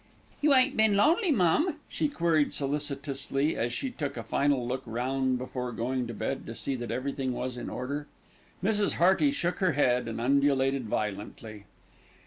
"You ain't been lonely, mum?" she queried solicitously, as she took a final look round before going to bed, to see that everything was in order. Mrs. Hearty shook her head and undulated violently.